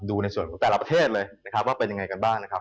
ดูในส่วนของแต่ละประเทศเลยนะครับว่าเป็นยังไงกันบ้างนะครับ